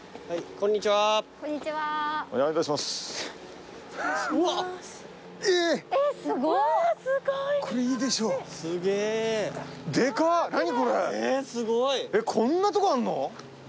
こんなとこあんの？